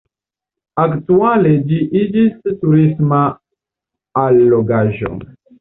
Aktuale ĝi iĝis turisma allogaĵo.